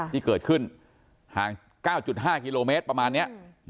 ที่เกิดขึ้นห่างเก้าจุดห้ากิโลเมตรประมาณเนี้ยอืม